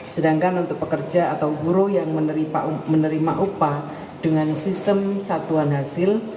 sedangkan untuk pekerja atau guru yang menerima upah dengan sistem satuan hasil